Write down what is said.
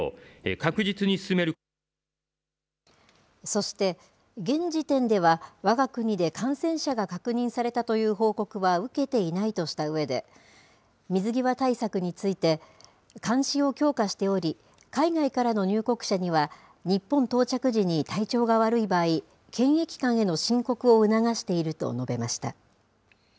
そして、現時点では、わが国で感染者が確認されたという報告は受けていないとしたうえで、水際対策について、監視を強化しており、海外からの入国者には、日本到着時に体調が悪い場合、検疫官への申告を促していると述べました。